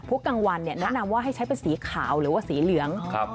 กลางวันแนะนำว่าให้ใช้เป็นสีขาวหรือว่าสีเหลือง